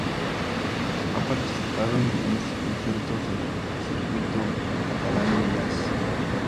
Ha participado en numerosos conciertos del circuito catalán de jazz.